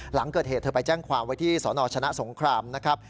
หลังเกิดเหตุเธอไปแจ้งความไว้ที่สนชนะสงครามนะครับ